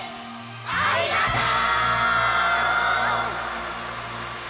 ありがとう！